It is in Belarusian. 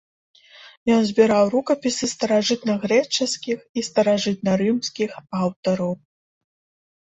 Ён збіраў рукапісы старажытнагрэчаскіх і старажытнарымскіх аўтараў.